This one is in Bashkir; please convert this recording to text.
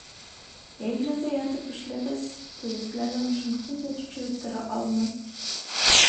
Йәйләүҙә ятып эшләгәс, төҙөүселәрҙең эшен көн дә тикшереп тора алмай.